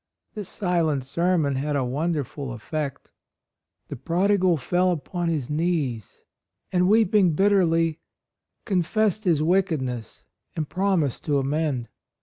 This silent sermon had a wonderful effect: the prodigal fell upon his knees, and, weeping bitterly, confessed his wickedness and promised to amend.